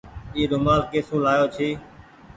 اي رومآل ڪي سون لآيو ڇي۔